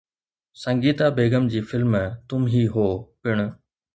سنگيتا بيگم جي فلم ’تم هي هو‘ پڻ